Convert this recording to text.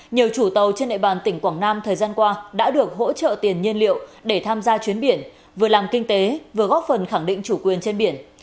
nhiều chủ tàu trên nệ bàn tỉnh quảng nam thời gian qua đã được hỗ trợ tiền nhiên liệu để tham gia chuyến biển vừa làm kinh tế vừa góp phần khẳng định chủ quyền trên biển